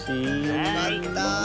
よかった。